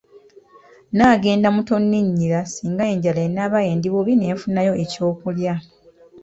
Naagenda mu Tonninnyira singa enjala enaaba endi bubi ne nfunayo eky'okulya.